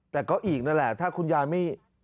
แต่ก็อีกนั่นแหละถ้าคุณยายไม่